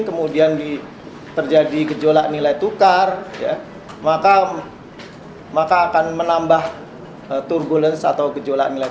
kemudian di terjadi gejolak nilai tukar ya makam maka akan menambah turbulens atau gejolak nilai